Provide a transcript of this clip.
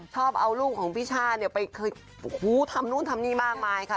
ชอบเอาลูกของพี่ช่าเนี่ยไปทำนู่นทำนี่มากมายค่ะ